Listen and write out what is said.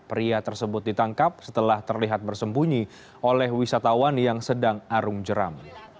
pria tersebut ditangkap setelah terlihat bersembunyi oleh wisatawan yang sedang arung jeram